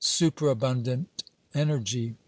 Superabundant energy !